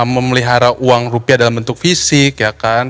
memelihara uang rupiah dalam bentuk fisik ya kan